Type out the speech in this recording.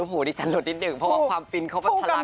โอ้โหดิฉันหลุดนิดหนึ่งเพราะว่าความฟินเขาเป็นพลักนี่